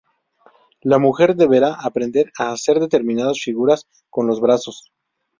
La mujer deberá aprender a hacer determinadas figuras con los brazos.